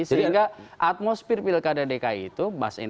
sehingga atmosfer pilkada dki itu